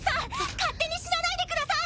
勝手に死なないでください！